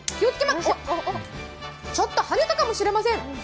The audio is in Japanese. ちょっとはねたかもしれません。